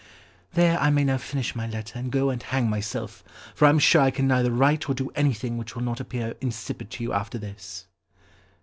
"There, I may now finish my letter and go and hang myself, for I am sure I can neither write or do anything which will not appear insipid to you after this."